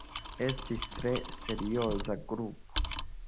Estis tre serioza grupo.